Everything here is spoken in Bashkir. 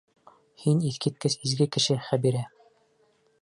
Һин иҫ киткес изге кеше, Хәбирә!